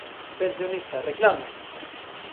Pensionista, reclama!